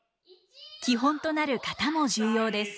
基本となる型も重要です。